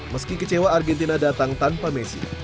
meski kecewa argentina datang tanpa messi